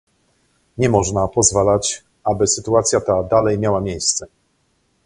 Nie można pozwalać, aby sytuacja ta dalej miała miejsce